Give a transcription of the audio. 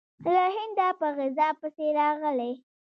له هنده په غزا پسې راغلی.